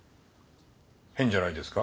変じゃないですか？